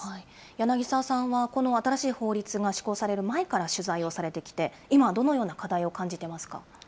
柳澤さんはこの新しい法律が施行される前から取材をされてきて、今はどのような課題を感じていますか。